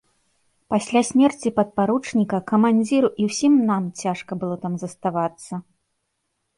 Пасля смерці падпаручніка камандзіру і ўсім нам цяжка было там заставацца!